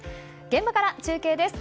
現場から中継です。